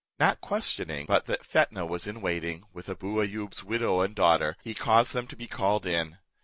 Not questioning but that Fetnah was in waiting, with Abou Ayoub's widow and daughter, he caused them to be called in.